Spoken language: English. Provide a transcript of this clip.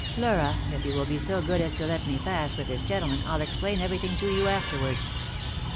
" Laura, if you will be so good as to let me pass, with this gentleman, I'll explain everything to you afterwards."